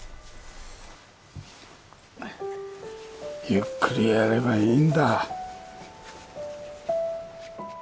ゆっくりやればいいんだ。